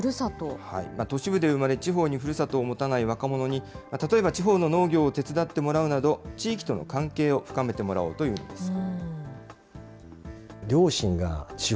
都市部で生まれ、地方にふるさとを持たない若者に、例えば、地方の農業を手伝ってもらうなど、地域との関係を深めてもらおうというんです。